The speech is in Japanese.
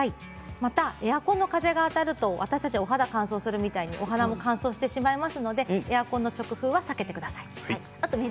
また、エアコンの風が当たると私たちがお肌乾燥するみたいにお花も乾燥してしまいますのでエアコンの直風は避けてください。